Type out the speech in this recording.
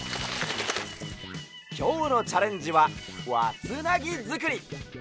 きょうのチャレンジはわつなぎづくり！